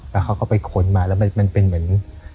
แล้วเขาก็ไปค้นมาแล้วมันเป็นเหมือน